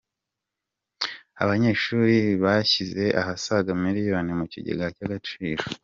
Abanyeshuri bashyize asaga miliyoni mu kigega agaciro